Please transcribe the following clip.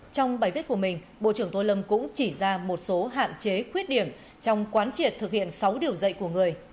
trong bài viết của mình bộ trưởng tô lâm cũng chỉ ra một số hạn chế khuyết điểm trong quán triệt thực hiện sáu điều dạy của người